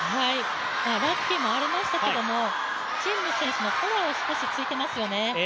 ラッキーもありましたけど、陳夢選手のフォアをついてますよね。